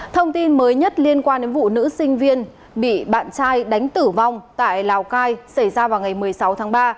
thông tin mới nhất liên quan đến vụ nữ sinh viên bị bạn trai đánh tử vong tại lào cai xảy ra vào ngày một mươi sáu tháng ba